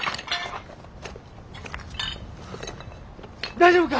大丈夫か！？